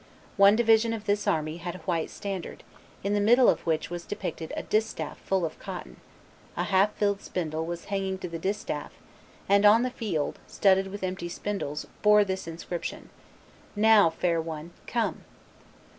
One division of this army had a white standard, in the middle of which was depicted a distaff full of cotton; a half filled spindle was hanging to the distaff; and the field, studded with empty spindles, bore this inscription: "Now, fair one, come!"